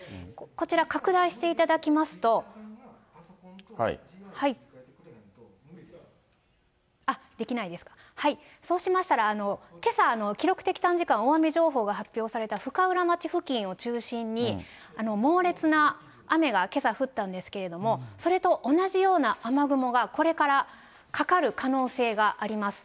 こちら、拡大していただきますと、できないですか、そうしましたら、けさ、記録的短時間大雨情報が発表された深浦町付近を中心に、猛烈な雨がけさ、降ったんですけれども、それと同じような雨雲が、これからかかる可能性があります。